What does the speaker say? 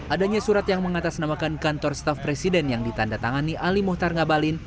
adanya surat yang mengatasnamakan kantor staff presiden yang ditanda tangani ali muhtar ngabalin